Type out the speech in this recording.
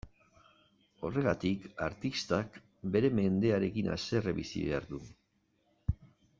Horregatik, artistak bere mendearekin haserre bizi behar du.